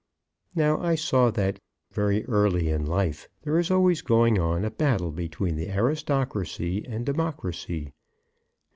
Now I saw that very early in life. There is always going on a battle between aristocracy and democracy.